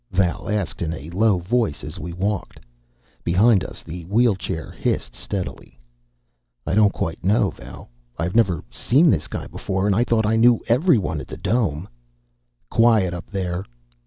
Val asked in a low voice as we walked. Behind us the wheelchair hissed steadily. "I don't quite know, Val. I've never seen this guy before, and I thought I knew everyone at the Dome." "Quiet up there!"